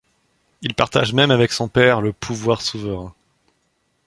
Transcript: Il partage même avec son père le pouvoir souverain.